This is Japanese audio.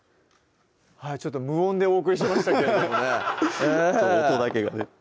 はい無音でお送りしましたけれどもね